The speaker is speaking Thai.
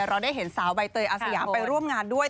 เราได้เห็นสาวใบเตยอาสยามไปร่วมงานด้วย